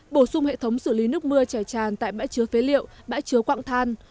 bổ sung hệ thống xử lý nước mưa chảy tràn tại bãi chứa phế liệu bãi chứa quạng than